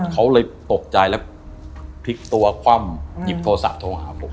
เขาเลยตกใจแล้วพลิกตัวคว่ำหยิบโทรศัพท์โทรหาผม